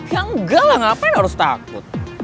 ya enggak lah ngapain harus takut